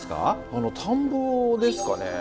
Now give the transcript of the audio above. あの田んぼですかね。